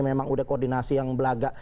memang udah koordinasi yang belagak